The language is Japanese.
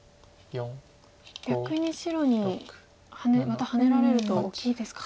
逆に白にまたハネられると大きいですか。